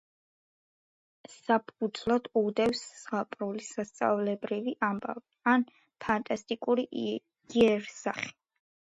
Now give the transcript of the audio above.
საფუძვლად უდევს ზღაპრული, სასწაულებრივი ამბავი ან ფანტასტიკური იერსახე.